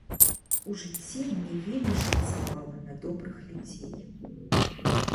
У жыцці мне вельмі шанцавала на добрых людзей.